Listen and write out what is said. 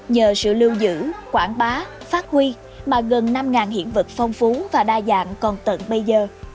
nhờ sự lưu giữ quảng bá phát huy mà gần năm hiện vật phong phú và đa dạng còn tận bây giờ